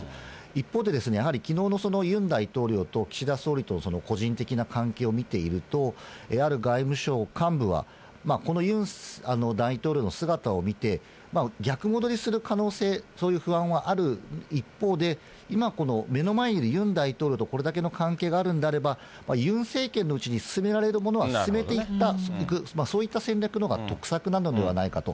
一方で、やはりきのうのユン大統領と岸田総理との個人的な関係を見ていると、ある外務省幹部は、このユン大統領の姿を見て、逆戻りする可能性、そういう不安はある一方で、今、この目の前にユン大統領とこれだけの関係があるんであれば、ユン政権のうちに進められるものは進めていく、そういった戦略のほうが得策なのではないかと。